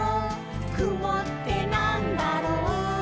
「くもってなんだろう？」